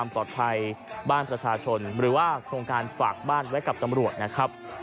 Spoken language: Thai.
ปลอดภัยบ้านประชาชนหรือว่าโครงการฝากบ้านไว้กับตำรวจนะครับ